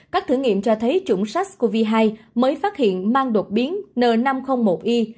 các thử nghiệm cho thấy chủng sars cov hai mới phát hiện mang đột biến n năm trăm linh một i